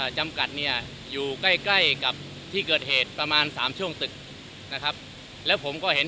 จำกัดเนี่ยอยู่ใกล้ใกล้กับที่เกิดเหตุประมาณ๓ช่วงตึกนะครับแล้วผมก็เห็น